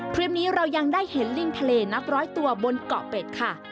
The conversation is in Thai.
คลิปนี้เรายังได้เห็นลิงทะเลนับร้อยตัวบนเกาะเป็ดค่ะ